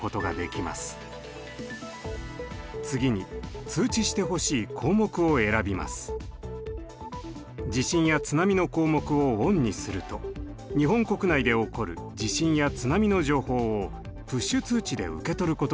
地震や津波の項目をＯＮにすると日本国内で起こる地震や津波の情報をプッシュ通知で受け取ることができます。